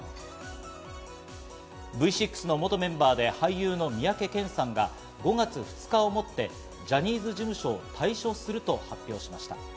Ｖ６の元メンバーで俳優の三宅健さんが５月２日をもってジャニーズ事務所を対処すると発表しました。